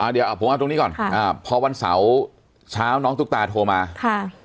เดี๋ยวผมเอาตรงนี้ก่อนค่ะอ่าพอวันเสาร์เช้าน้องตุ๊กตาโทรมาค่ะ